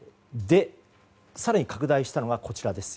更に拡大したのがこちらです。